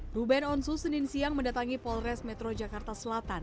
ruben onsu senin siang mendatangi polres metro jakarta selatan